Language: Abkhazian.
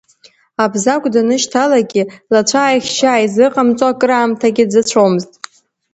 Абзагә данышьҭалагьы, лацәааихьшьы ааизыҟамҵо, акыраамҭагьы дзыцәомызт.